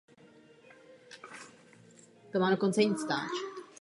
Ve skupinách se utkal každý s každým.